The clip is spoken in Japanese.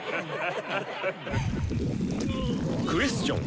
クエスチョン